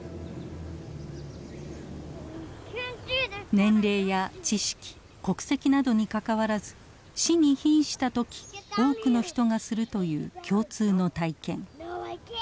年齢や知識国籍などにかかわらず死にひんした時多くの人がするという共通の体験。